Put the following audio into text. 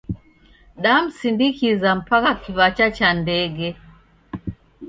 Damsindikiza mpaka kiw'acha cha ndege.